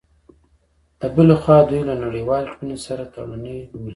له بلې خوا، دوی له نړیوالې ټولنې سره تړوني بولي